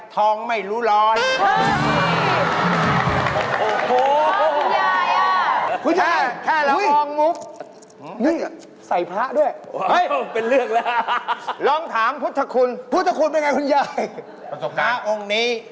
๑๐ตอน๑ยายไม่ลง